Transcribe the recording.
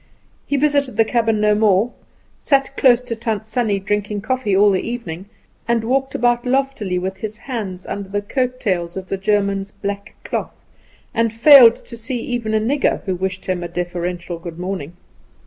He visited the cabin no more, sat close to Tant Sannie drinking coffee all the evening, and walked about loftily with his hands under the coat tails of the German's black cloth and failed to see even a nigger who wished him a deferential good morning.